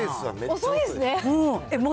遅いですね。